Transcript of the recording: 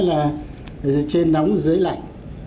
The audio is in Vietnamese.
là trên nóng dưới lạnh